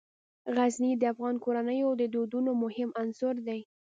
غزني د افغان کورنیو د دودونو مهم عنصر دی.